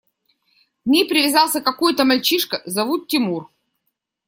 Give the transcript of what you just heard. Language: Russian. К ней привязался какой-то мальчишка, зовут Тимур.